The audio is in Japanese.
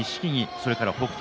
それから北勝